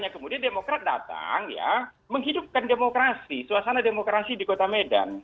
kemudian demokrat datang ya menghidupkan demokrasi suasana demokrasi di kota medan